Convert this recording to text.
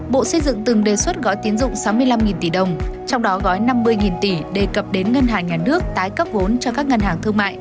bộ xây dựng từng đề xuất gói tiến dụng sáu mươi năm tỷ đồng trong đó gói năm mươi tỷ đề cập đến ngân hàng nhà nước tái cấp vốn cho các ngân hàng thương mại